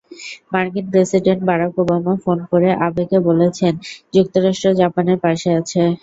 মার্কিন president Barack Obama phone করে আবেকে বলেছেন, যুক্তরাষ্ট্র জাপানের পাশে আছে।